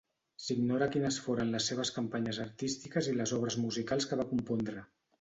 S'ignora quines foren les seves campanyes artístiques i les obres musicals que va compondre.